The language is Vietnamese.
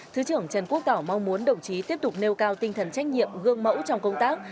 thứ trưởng trần quốc tỏ mong muốn đồng chí tiếp tục nêu cao tinh thần trách nhiệm gương mẫu trong công tác